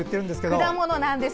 果物なんです。